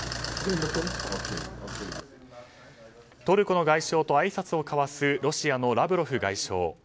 トルコの外相とあいさつを交わすロシアのラブロフ外相。